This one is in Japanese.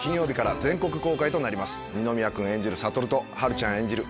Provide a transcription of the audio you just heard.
二宮君演じる悟と波瑠ちゃん演じる